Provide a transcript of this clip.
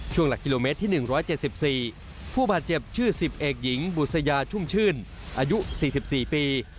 หลักกิโลเมตรที่๑๗๔ผู้บาดเจ็บชื่อ๑๐เอกหญิงบุษยาชุ่มชื่นอายุ๔๔ปี